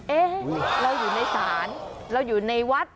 เอ๊ะเราอยู่ในศาลเราอยู่ในวัด